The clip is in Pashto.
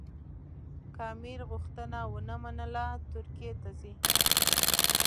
که امیر غوښتنه ونه منله ترکیې ته ځي.